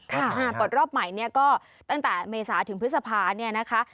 ค่ะเปิดรอบใหม่ก็ตั้งแต่เมษาถึงพฤษภา